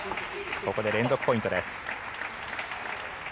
ここで連続ポイントです。